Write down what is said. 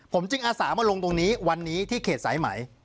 ผมจึงอาสามาลงตรงนี้วันนี้ที่เขตสายไหม